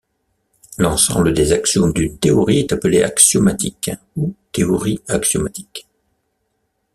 L'ensemble des axiomes d'une théorie est appelé axiomatique ou théorie axiomatique.